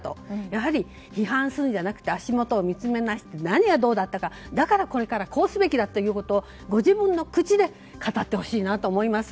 やはり批判するんじゃなくて足元を見つめて何がどうだったか、だからこれからこうすべきだということをご自分の口で語ってほしいと思います。